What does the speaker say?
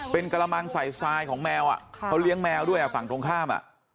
เป็นกระมังใส่ทรายของแมวเขาเลี้ยงแมวด้วยฝั่งตรงข้าม